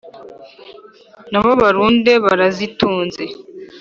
Na bo barunde barazitunze!